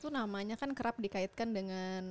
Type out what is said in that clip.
namanya kan kerap dikaitkan dengan